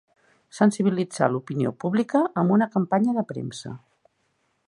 Sensibilitzar l'opinió pública amb una campanya de premsa.